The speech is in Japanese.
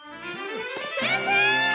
先生！